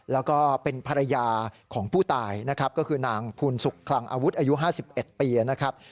แล้วก็เป็นภรรยาของผู้ตายนะครับก็คือนางภูนสุขคลังอาวุธอายุ๕๑ปีนะครับ